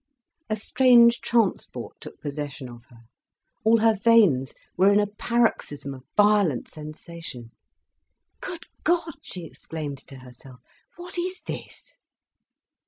A strange transport took possession of her, all her veins were in a paroxysm of violent sensation. "Good God!" she exclaimed to herself, "what is this?"